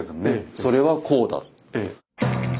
それはこうだと。